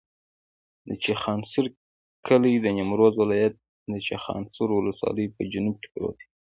د چخانسور کلی د نیمروز ولایت، چخانسور ولسوالي په جنوب کې پروت دی.